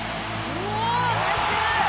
うわ！